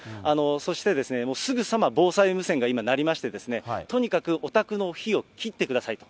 そして、すぐさま防災無線が今鳴りまして、とにかくお宅の火を切ってくださいと。